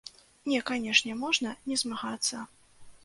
Не, канешне, можна не змагацца.